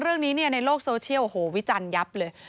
เรื่องนี้ในโลกโซเชียลโอ้โหวิจารณ์ยับเลย